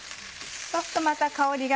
そうするとまた香りが。